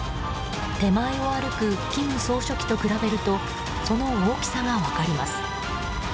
手前を歩く金総書記と比べるとその大きさが分かります。